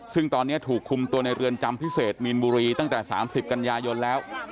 ซึ่งตอนนี้ถูกคุมตัวในเรือนจำพิเศษมีนบุรีตั้งแต่๓๐กันยายนแล้ว